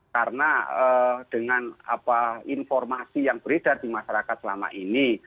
karena dengan apa informasi yang beredar di masyarakat selama ini